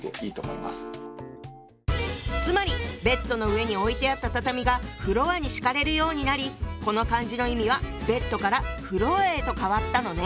つまりベッドの上に置いてあった畳がフロアに敷かれるようになりこの漢字の意味は「ベッド」から「フロア」へと変わったのね。